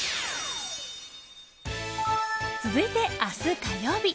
続いて明日、火曜日。